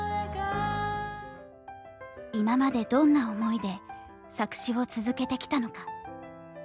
今までどんな思いで作詞を続けてきたのか。